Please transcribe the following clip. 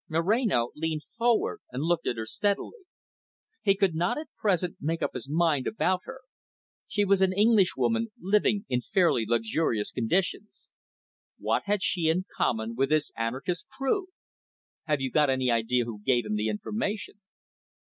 Moreno leaned forward, and looked at her steadily. He could not, at present, make up his mind about her. She was an Englishwoman living in fairly luxurious conditions. What had she in common with this anarchist crew. "Have you got any idea who gave him the information?"